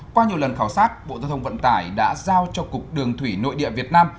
qua nhiều lần khảo sát bộ giao thông vận tải đã giao cho cục đường thủy nội địa việt nam